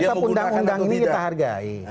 kita tetap undang undang ini kita hargai